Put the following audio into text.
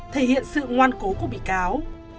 thể hiện sự ngoan cố của bị cáo